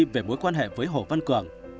về mối quan hệ với hồ văn cường